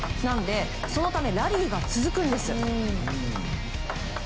そのためラリーが続くんです。